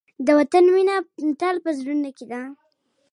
د وطن مینه تل په زړونو کې ده.